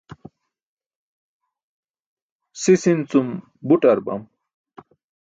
sis in cum buṭ ar bam